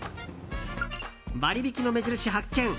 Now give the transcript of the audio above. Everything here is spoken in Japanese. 割引の目印、発見。